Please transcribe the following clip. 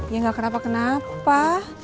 ya enggak kenapa kenapa